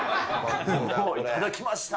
もう、いただきました！